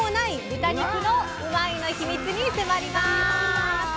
豚肉のうまいッ！の秘密に迫ります。